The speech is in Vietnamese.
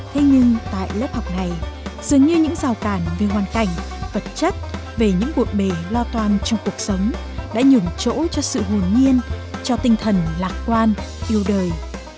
thế nhưng tại lớp học này dường như những rào cản về hoàn cảnh vật chất về những bộn bề lo toan trong cuộc sống đã nhủm chỗ cho sự hồn nhiên cho tinh thần lạc quan yêu đời